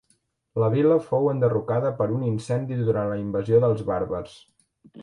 La vil·la fou enderrocada per un incendi durant la invasió dels bàrbars.